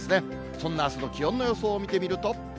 そんなあすの気温の予想を見てみると。